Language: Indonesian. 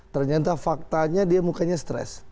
ternyata faktanya dia mukanya stres